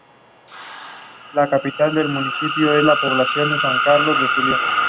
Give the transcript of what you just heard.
Esto la dejó un poco desconfiada hacia los niños.